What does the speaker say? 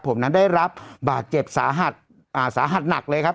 ผมนั้นได้รับบาดเจ็บสาหัสอ่าสาหัสหนักเลยครับ